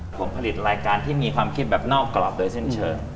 ผมผลิตรายการที่มีความคิดแบบนอกกรอบโดยสิ้นเชิง